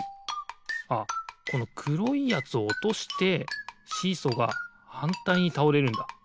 あっこのくろいやつをおとしてシーソーがはんたいにたおれるんだ。